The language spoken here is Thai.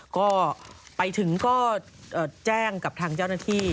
ก็ไปถึงก็แจ้งกับทางเจ้าหน้าที่